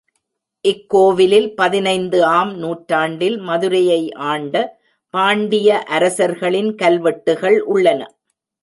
இக் கோவிலில் பதினைந்து ஆம் நூற்றாண்டில் மதுரையை ஆண்ட பாண்டிய அரசர்களின் கல்வெட்டுகள் உள்ளன.